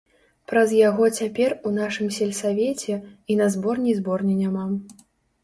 Праз яго цяпер у нашым сельсавеце і на зборні зборні няма.